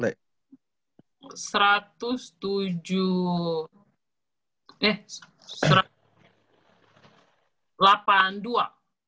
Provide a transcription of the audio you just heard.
seratus tujuh eh seratus lapan dua